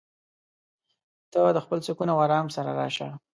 ته د خپل سکون او ارام سره راشه.